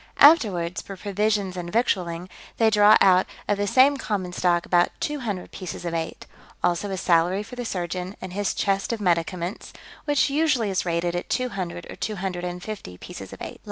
Afterwards, for provisions and victualling, they draw out of the same common stock about two hundred pieces of eight; also a salary for the surgeon, and his chest of medicaments, which usually is rated at two hundred or two hundred and fifty pieces of eight.